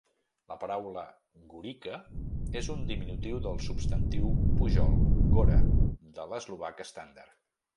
La paraula "gorica" és un diminutiu del substantiu pujol "gora" del eslovac estàndard.